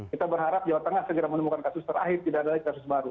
kita berharap jawa tengah segera menemukan kasus terakhir tidak ada lagi kasus baru